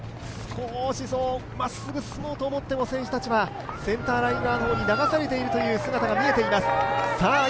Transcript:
少しまっすぐ進もうと思っても、選手たちはセンターライン側に流されるという姿が見えています。